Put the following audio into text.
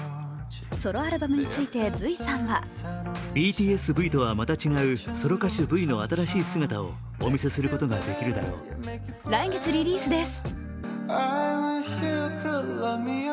ソロアルバムについてＶさんは来月リリースです。